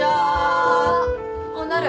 おっなる。